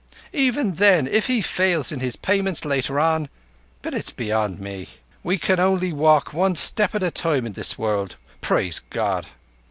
Even then, if he fails in his payments later on ... but it's beyond me. We can only walk one step at a time in this world, praise God!